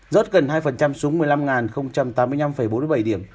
rớt gần hai xuống một mươi năm tám mươi năm bốn mươi bảy điểm